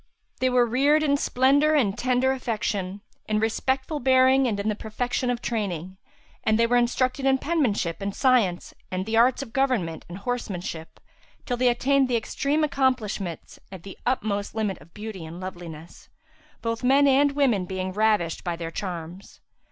They were reared in splendour and tender affection, in respectful bearing and in the perfection of training; and they were instructed in penmanship and science and the arts of government and horsemanship, till they attained the extreme accomplishments and the utmost limit of beauty and loveliness; both men and women being ravished by their charms.